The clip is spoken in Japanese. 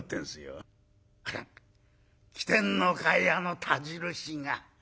「あら来てんのかいあの田印が。